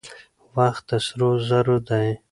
وخت د سرو زرو دی.